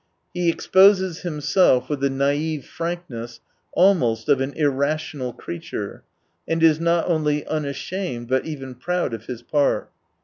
He exposes himself with the naive frankness almost of an irrational creature, and is not only unashamed, but even proud of his part.